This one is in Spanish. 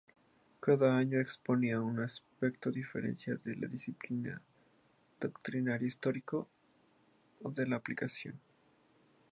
Cada año exponía un aspecto diferente de la disciplina: doctrinario, histórico o de aplicación.